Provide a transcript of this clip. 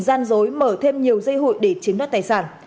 ấm đã nảy sinh ý định gian dối mở thêm nhiều dây hụi để chiếm đất tài sản